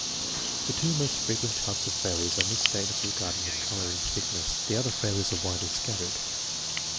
The two most frequent types of failures are misstatements re garding color and thickness. The other failures are widely scattered.